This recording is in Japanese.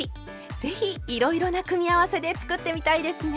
是非いろいろな組み合わせで作ってみたいですね！